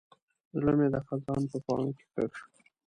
زړه مې د خزان په پاڼو کې ښخ شو.